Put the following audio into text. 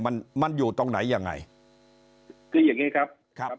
มันมันอยู่ตรงไหนยังไงคืออย่างงี้ครับครับ